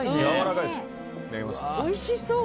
おいしそう！